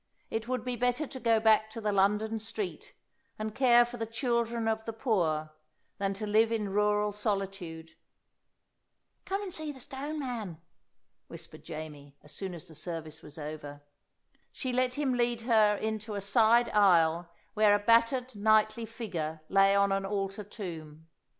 It would be better to go back to the London street, and care for the children of the poor, than live in rural solitude. "Come and see the stone man," whispered Jamie, as soon as the service was over. She let him lead her into a side aisle where a battered knightly figure lay on an altar tomb.